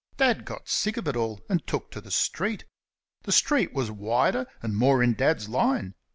Dad got sick of it all, and took to the street. The street was wider, and more in Dad's line.